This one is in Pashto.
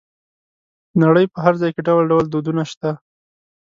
د نړۍ په هر ځای کې ډول ډول دودونه شته.